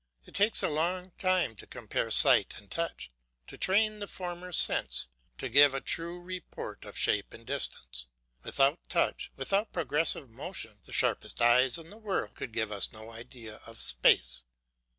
It takes a long time to compare sight and touch, and to train the former sense to give a true report of shape and distance. Without touch, without progressive motion, the sharpest eyes in the world could give us no idea of space.